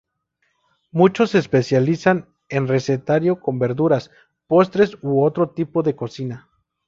Muchos se especializan en recetario con verduras, postres u otro tipo de cocina.